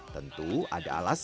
tentu ada alasan